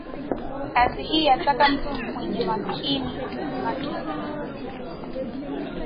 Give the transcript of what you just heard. Kazi hii yataka mtu mwenye makini/mmakinifu